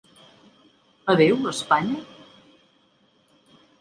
Adéu, Espanya?